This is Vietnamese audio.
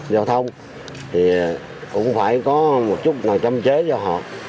giao thông thì cũng phải có một chút chăm chế cho họ